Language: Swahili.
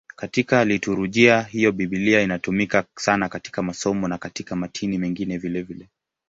Katika liturujia hiyo Biblia inatumika sana katika masomo na katika matini mengine vilevile.